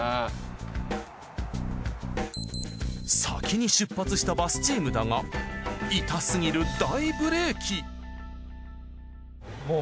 先に出発したバスチームだが痛すぎる大ブレーキ。